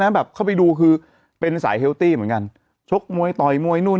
แบบเข้าไปดูคือเป็นสายเฮลตี้เหมือนกันชกมวยต่อยมวยนู่น